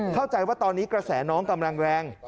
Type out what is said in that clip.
เข้าใจว่าตอนนี้กระแสน้องกำลังแรง